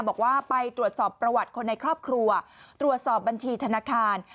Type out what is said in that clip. บอกว่าไปตรวจสอบประวัติคนในครอบครัวตรวจสอบบัญชีธนาคาร